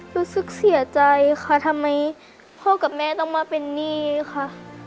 รู้สึกเสียใจค่ะทำไมพ่อกับแม่ต้องมาเป็นหนี้ค่ะ